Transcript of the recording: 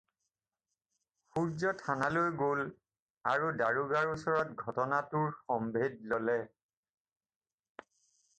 সূৰ্য্য থানালৈ গ'ল আৰু দাৰোগাৰ ওচৰত ঘটনাটোৰ সম্ভেদ ল'লে।